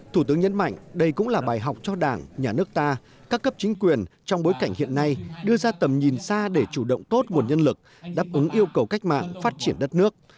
thủ tướng nhấn mạnh đây cũng là bài học cho đảng nhà nước ta các cấp chính quyền trong bối cảnh hiện nay đưa ra tầm nhìn xa để chủ động tốt nguồn nhân lực đáp ứng yêu cầu cách mạng phát triển đất nước